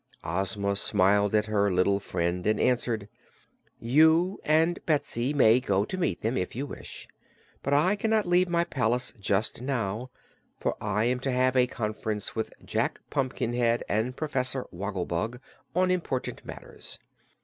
Ozma smiled at her little friend and answered: "You and Betsy may go to meet them, if you wish, but I can not leave my palace just now, as I am to have a conference with Jack Pumpkinhead and Professor Wogglebug on important matters.